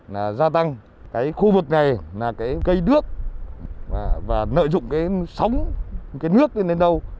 là gia tăng cái khu vực này là cái cây đước và nợ dụng cái sóng cái nước lên đến đâu